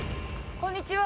こんにちは。